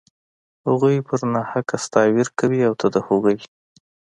هغوى پر ناحقه ستا وير کوي او ته د هغوى.